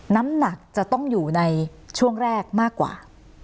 น้ำหนักจะต้องอยู่ในช่วงแรกมากกว่า